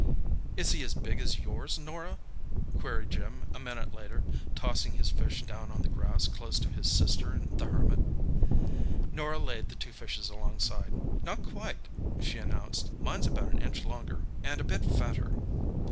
"Is he as big as yours, Norah?" queried Jim a minute later, tossing his fish down on the grass close to his sister and the Hermit. Norah laid the two fishes alongside. "Not quite," she announced; "mine's about an inch longer, and a bit fatter."